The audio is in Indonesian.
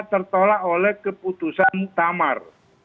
tertolak oleh keputusan tamar